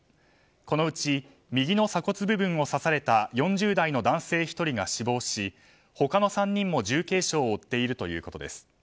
このうち右の鎖骨部分を刺された４０代の男性１人が死亡し、他の３人も重軽傷を負っているということです。